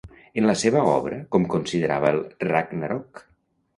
En la seva obra, com considerava el Ragnarok?